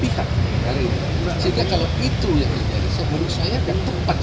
pihak kota yang bilang bahwa apa yang kemudian dikirim sama ibu mega kemarin itu tidak pas